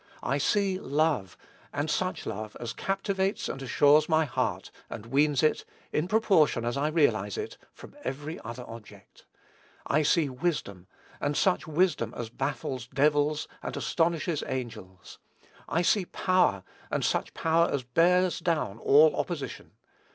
I see love, and such love as captivates and assures my heart, and weans it, in proportion as I realize it, from every other object. I see wisdom, and such wisdom as baffles devils and astonishes angels. I see power, and such power as bears down all opposition.